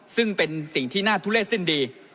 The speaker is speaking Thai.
ซึ่งเป็นสิ่งที่น่าทุเลศสิ้นดี